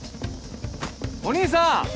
お兄さん！